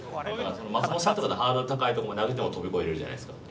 松本さんとかだったらハードル高い所まで上げても跳び越えられるじゃないですか。